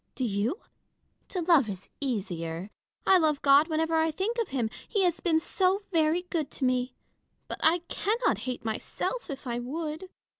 Do you ? To love is easier. I love God whenever I think of him, he has been so very good to me ; but I cannot hate myself, if I would.